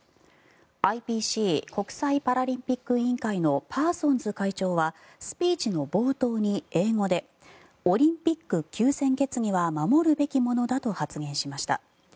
ＩＰＣ・国際パラリンピック委員会のパーソンズ会長はスピーチの冒頭に英語でオリンピック休戦決議は守るべきものだと発言しました。